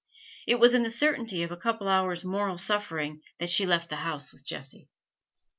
It was in the certainty of a couple of hours' moral suffering that she left the house with Jessie.